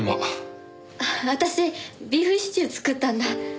私ビーフシチュー作ったんだ。